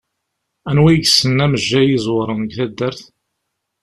Anwa i yessnen amejjay iẓewṛen deg taddart?